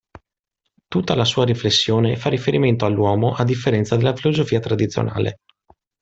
Tutta la sua riflessione fa riferimento all'uomo a differenza della filosofia tradizionale.